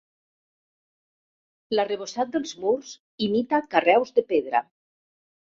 L'arrebossat dels murs imita carreus de pedra.